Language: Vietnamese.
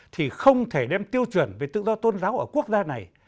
thì không thể đem tiêu chuẩn về tự do tôn giáo ở quốc gia này